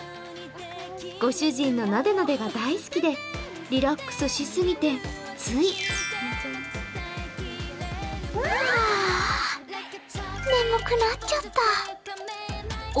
ご主人のなでなでが大好きでリラックスしすぎて、つい大あくび。